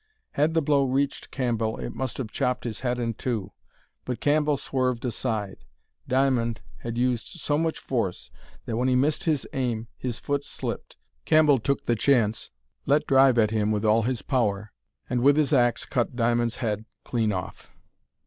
Had the blow reached Cambell it must have chopped his head in two, but Cambell swerved aside. Diamond had used so much force, that when he missed his aim his foot slipped. Cambell took the chance, let drive at him with all his power, and with his axe cut Diamond's head clean off.